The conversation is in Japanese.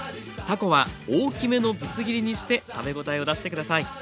たこは大きめのぶつ切りにして食べ応えを出して下さい。